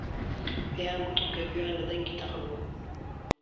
پێیان گوتم کە گوێیان لە دەنگی تەقە بووە.